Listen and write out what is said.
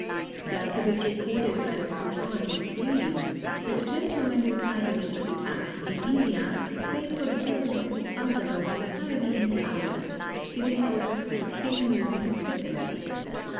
Thus it is recorded by the Conchologist Reeve that a gentleman residing at Cuttack in India paid for the building of his bungalow entirely in Cowries, giving over sixteen million specimens.